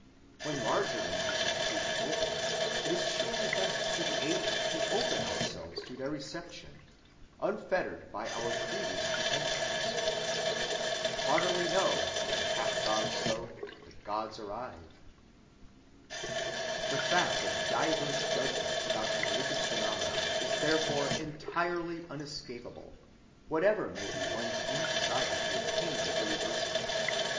When larger ranges of truth open, it is surely best to be able to open ourselves to their reception, unfettered by our previous pretensions. "Heartily know, when half‐gods go, the gods arrive." The fact of diverse judgments about religious phenomena is therefore entirely unescapable, whatever may be one's own desire to attain the irreversible.